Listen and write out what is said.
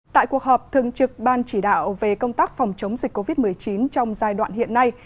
tại cuộc họp thường trực ban chỉ đạo về công tác phòng chống dịch covid một mươi chín trong giai đoạn hiện nay